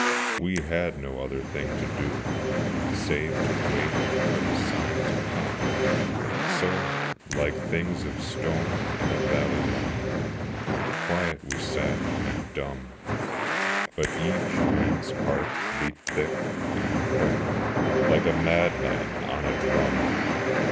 We had no other thing to do, Save to wait for the sign to come: So, like things of stone in a valley lone, Quiet we sat and dumb: But each man's heart beat thick and quick, Like a madman on a drum!